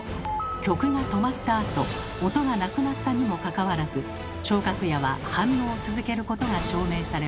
曲が止まったあと音がなくなったにもかかわらず聴覚野は反応を続けることが証明されました。